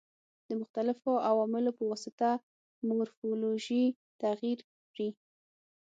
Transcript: د مختلفو عواملو په واسطه مورفولوژي تغیر خوري.